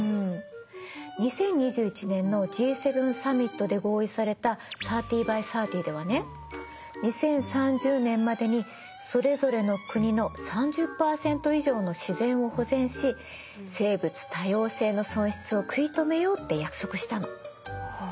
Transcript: ２０２１年のＧ７サミットで合意された３０ｂｙ３０ではね２０３０年までにそれぞれの国の３０％以上の自然を保全し生物多様性の損失を食い止めようって約束したの。